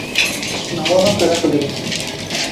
Newala Qerexidirê